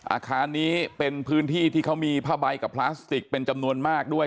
อาคารนี้เป็นพื้นที่ที่เขามีผ้าใบกับพลาสติกเป็นจำนวนมากด้วย